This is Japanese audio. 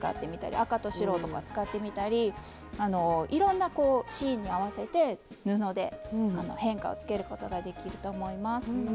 赤と白とか使ってみたりいろんなシーンに合わせて布で変化をつけることができると思います。